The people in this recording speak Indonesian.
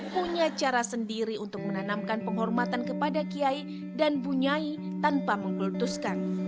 punya cara mendanakan penghormatan kepada giaji dan bu nhai tanpa mengkultuskan